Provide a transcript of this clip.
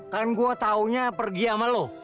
kan gua taunya pergi sama lu